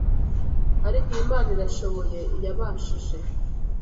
ariko iyi Mana irashoboye iyabashije